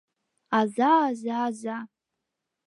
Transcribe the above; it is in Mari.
Аза, аза, аза...»